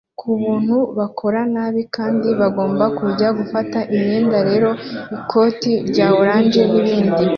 kubintu bakoze nabi kandi bagomba kujya gufata imyanda rero ikoti rya orange nibindi